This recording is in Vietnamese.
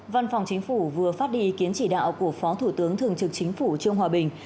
văn phòng chính phủ vừa phát đi ý kiến chỉ đạo của phó thủ tướng thường trực chính phủ trương hòa bình